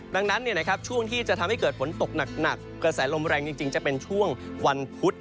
ดังนั้นช่วงที่จะทำให้เกิดฝนตกหนักกระแสลมแรงจริงจะเป็นช่วงวันพุธ